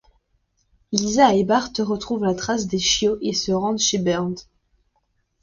Lisa et Bart retrouvent la trace des chiots et se rendent chez Burns.